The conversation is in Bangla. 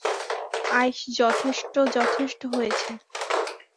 আইস, যথেষ্ট, যথেষ্ট হয়েছে!